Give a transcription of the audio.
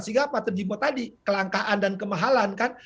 sehingga apa terjebak tadi kelangkaan dan kemahalan kan